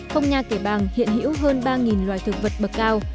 phong nha kẻ bàng hiện hữu hơn ba loài thực vật bậc cao